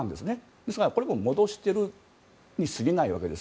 ですから、これも戻しているに過ぎないんです。